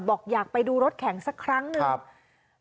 บอกอยากไปดูรถแข่งสักครั้งหนึ่ง